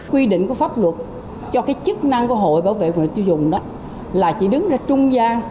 quy định của pháp luật cho chức năng của hội bảo vệ người tiêu dùng là chỉ đứng ra trung gian